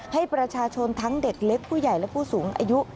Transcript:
ให้ประชาชนทั้งเด็กเล็กผู้ใหญ่และผู้สูงอายุ